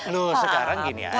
loh sekarang gini aja